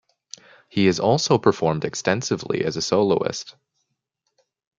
He has also performed extensively as a soloist.